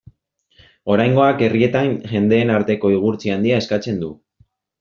Oraingoak herrietan jendeen arteko igurtzi handia eskatzen du.